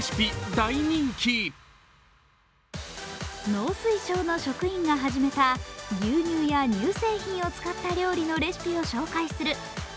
農水省の職員が始めた牛乳や乳製品を使った料理のレシピを紹介する「＃